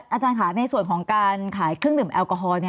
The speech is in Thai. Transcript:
อาจารย์ค่ะในส่วนของการขายเครื่องดื่มแอลกอฮอล์